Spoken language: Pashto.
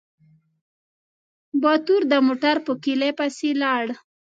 باتور د موټر په کيلي پسې لاړ.